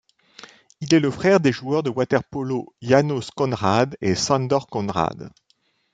Il est le frère des joueurs de water-polo János Konrád et Sándor Konrád.